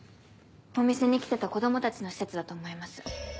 お店に来てた子供たちの施設だと思います。